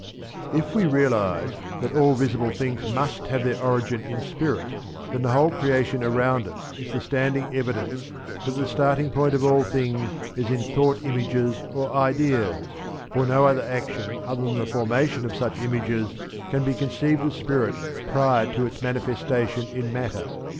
If we realize that all visible things must have their origin in spirit, then the whole creation around us is the standing evidence that the starting point of all things is in thought images or ideas, for no other action than the formation of such images can be conceived of spirit prior to its manifestation in matter.